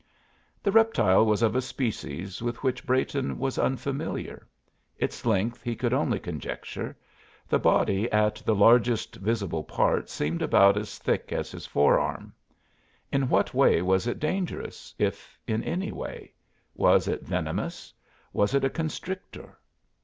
The reptile was of a species with which Brayton was unfamiliar. Its length he could only conjecture; the body at the largest visible part seemed about as thick as his forearm. In what way was it dangerous, if in any way? Was it venomous? Was it a constrictor?